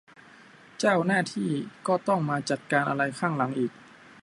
เจ้าหน้าที่ก็ต้องมาจัดการอะไรข้างหลังอีก